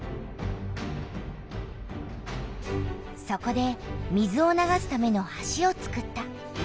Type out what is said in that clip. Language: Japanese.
そこで水を流すための橋をつくった。